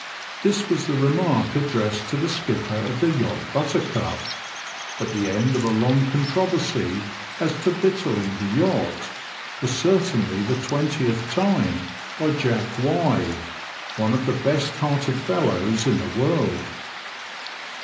" This was the remark addressed to the skipper of the yacht Buttercup (at the end of a long controversy as to victualling the yacht) for certainly the twentieth time by Jack Y , one of the best hearted fellows in the world.